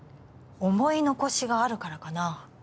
思い残しがあるからかな。